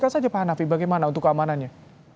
kasih aja pak hanafi bagaimana untuk keamanannya